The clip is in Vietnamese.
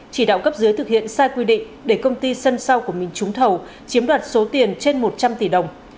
chỉ đạo cấp dưới thực hiện sai quy định để công ty sân sau của mình trúng thầu chiếm đoạt số tiền trên một trăm linh tỷ đồng